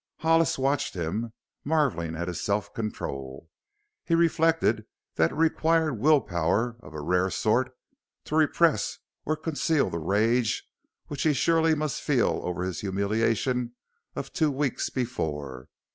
Hollis watched him, marveling at his self control. He reflected that it required will power of a rare sort to repress or conceal the rage which he surely must feel over his humiliation of two weeks before.